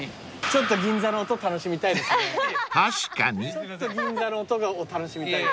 ちょっと銀座の音を楽しみたい。